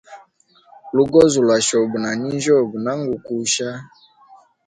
Lugozi lwa chobe na ninjyobe, nangu kusha.